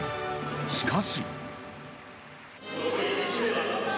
しかし。